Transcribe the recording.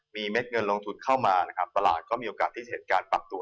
มีเม็ดเงินลงทุนเข้ามานะครับตลาดก็มีโอกาสที่จะเห็นการปรับตัว